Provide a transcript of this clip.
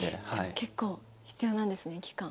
結構必要なんですね期間。